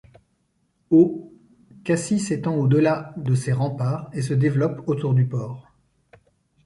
Au Cassis s'étend au delà de ses remparts, et se développe autour du port.